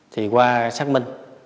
thì qua xác minh